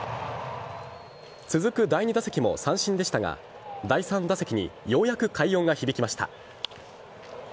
続く第２打席も三振でしたが第３打席にようやく快音が響きました。